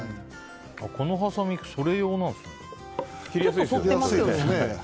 このはさみ、それ用なんですか。